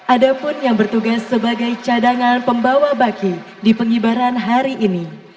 ada pun yang bertugas sebagai cadangan pembawa baki di pengibaran hari ini